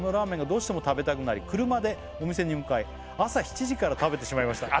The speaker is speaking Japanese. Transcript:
「どうしても食べたくなり車でお店に向かい」「朝７時から食べてしまいました」